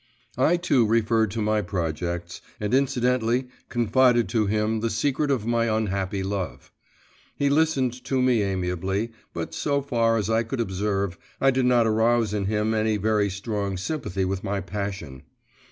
I too referred to my projects, and incidentally confided to him the secret of my unhappy love. He listened to me amiably, but, so far as I could observe, I did not arouse in him any very strong sympathy with my passion.